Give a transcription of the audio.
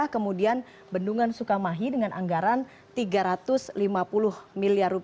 kemudian bendungan sukamahi dengan anggaran rp tiga ratus lima puluh miliar